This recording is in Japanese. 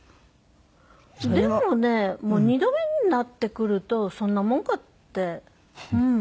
でもね２度目になってくるとそんなもんかってうん。